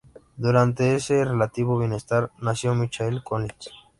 Durante ese relativo bienestar, nació Michael Collins.